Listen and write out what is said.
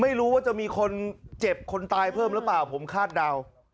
ไม่รู้ว่าจะมีคนเจ็บคนตายเพิ่มหรือเปล่าผมคาดเดา